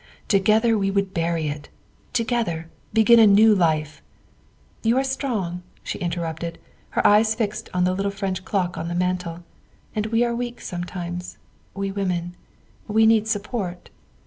Together we would bury it ; together begin a new life "" You are strong," she interrupted, her eyes fixed on the little French clock on the mantel, " and we are weak sometimes, we women. We need support."